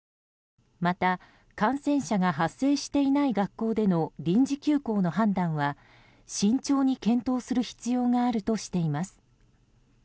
また、感染者が発生していない学校での臨時休校の判断は慎重に検討する必要があるとしています。